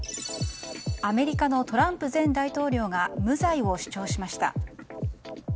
アメリカのトランプ前大統領が無罪を主張しました。